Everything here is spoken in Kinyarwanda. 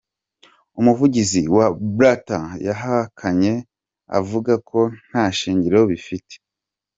Umuvugizi wa Blatter, yabihakanye avuga ko nta shingiro bifite.